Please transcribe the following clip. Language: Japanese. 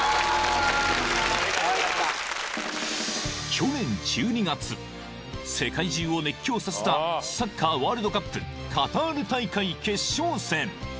［去年１２月世界中を熱狂させたサッカーワールドカップカタール大会決勝戦］